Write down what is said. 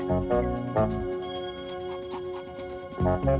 oh ini dia